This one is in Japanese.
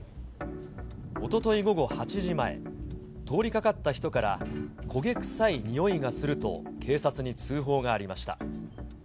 おととい午後８時前、通りかかった人から、焦げ臭いにおいがすると警察に通報がありました。